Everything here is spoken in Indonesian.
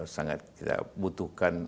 sangat kita butuhkan